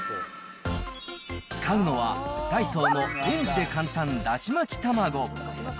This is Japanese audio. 使うのは、ダイソーのレンジで簡単だし巻きたまご。